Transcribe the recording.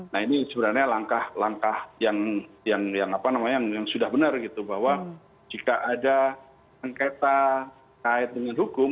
nah ini sebenarnya langkah langkah yang sudah benar gitu bahwa jika ada sengketa kait dengan hukum